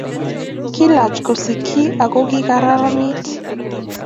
Kiilach kosikchi aku kikararanitu